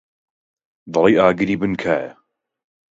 دەڵێی ئاگری بن کایە.